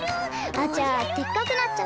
あちゃでっかくなっちゃった！